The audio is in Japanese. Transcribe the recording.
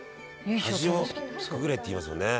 端をくぐれっていいますもんね」